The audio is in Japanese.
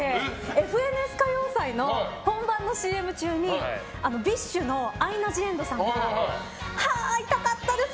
「ＦＮＳ歌謡祭」の本番のＣＭ中にＢｉＳＨのアイナ・ジ・エンドさんが会いたかったです